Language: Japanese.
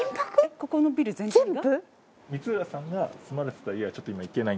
ここのビル全体が？